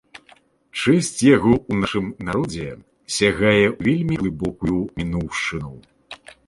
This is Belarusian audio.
Чэсць яго ў нашым народзе сягае ў вельмі глыбокую мінуўшчыну.